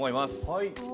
はい。